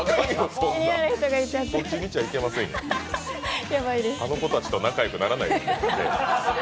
そっち見ちゃいけませんよ、あの子たちと仲良くならないでくださいね。